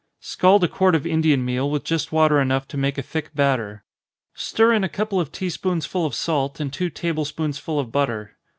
_ Scald a quart of Indian meal with just water enough to make a thick batter. Stir in a couple of tea spoonsful of salt, and two table spoonful of butter.